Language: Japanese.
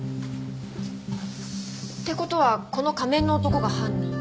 って事はこの仮面の男が犯人？